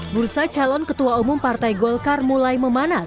bursa calon ketua umum partai golkar mulai memanas